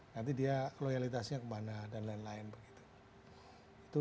nanti dia loyalitasnya kemana dan lain lain begitu